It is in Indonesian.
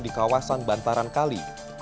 di kawasan bantaran kali